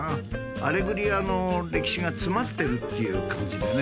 アレグリアの歴史が詰まってるっていう感じでね。